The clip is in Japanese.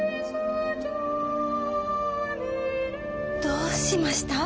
どうしました？